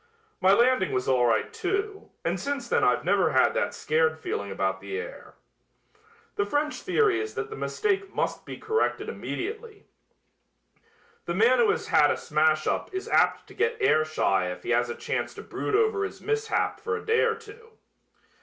My landing was all right, too, and since then I've never had that scared feeling about the air." The French theory is that the mistake must be corrected immediately. The man who has had a smash up is apt to get air shy if he has a chance to brood over his mishap for a day or two.